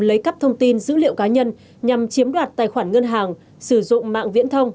lấy cắp thông tin dữ liệu cá nhân nhằm chiếm đoạt tài khoản ngân hàng sử dụng mạng viễn thông